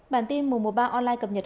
bản tin mùa mùa ba online cập nhật